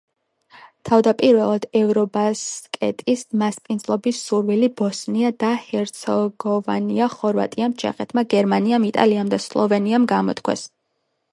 თავდაპირველად, ევრობასკეტის მასპინძლობის სურვილი ბოსნია და ჰერცეგოვინამ, ხორვატიამ, ჩეხეთმა, გერმანიამ, იტალიამ და სლოვენიამ გამოთქვეს.